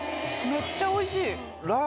めっちゃおいしい。